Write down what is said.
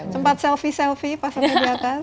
sempat selfie selfie pas sampai di atas